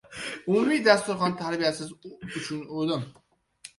• Umumiy dasturxon — tarbiyasiz uchun o‘lim.